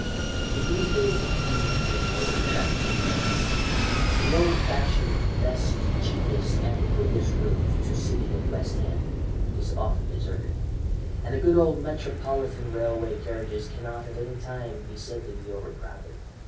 "In these days of tubes and motor traction of all kinds, the old fashioned 'best, cheapest, and quickest route to City and West End' is often deserted, and the good old Metropolitan Railway carriages cannot at any time be said to be overcrowded.